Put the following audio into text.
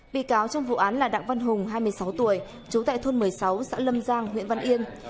bị cáo trong vụ án là đặng văn hùng hai mươi sáu tuổi trú tại thôn một mươi sáu xã lâm giang huyện văn yên